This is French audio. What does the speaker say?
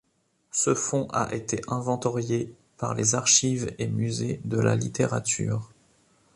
Ce Fonds a été inventorié par les Archives et Musée de la Littérature.